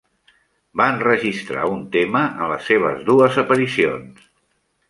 Va enregistrar un tema en les seves dues aparicions.